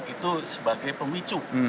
itu sebagai pemicu